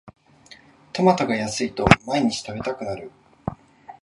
トマトが安いと毎日食べたくなる